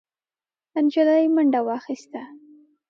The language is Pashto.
نجلۍ منډه واخيسته،